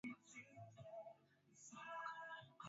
Kiazi lishe kina rangi ya chungwa ndani